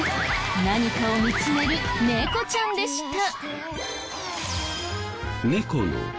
何かを見つめる猫ちゃんでした。